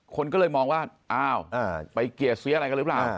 คนก็เลยมองว่าอ้าวไปเกลียดเสียอะไรกันหรือเปล่า